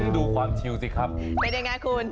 ดูความชิวสิครับเป็นยังไงคุณ